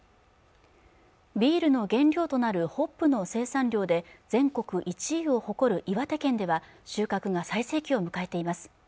ビールの原料となるホップの生産量で全国１位を誇る岩手県では収穫が最盛期を迎えています